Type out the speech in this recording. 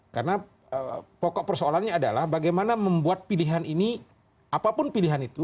karena pokok persoalannya adalah bagaimana membuat pilihan ini apapun pilihan itu